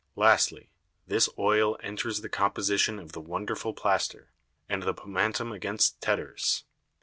Lastly, This Oil enters the Composition of the wonderful Plaister, and the Pomatum against Tetters.